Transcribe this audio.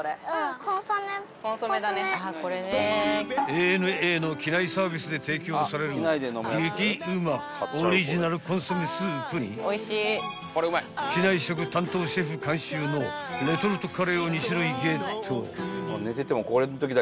［ＡＮＡの機内サービスで提供される激うまオリジナルコンソメスープに機内食担当シェフ監修のレトルトカレーを２種類ゲット］